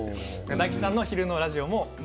大吉さんの昼のラジオも。